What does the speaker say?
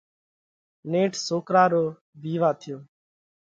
نيٺ سوڪرا رو وِيوا ٿيو۔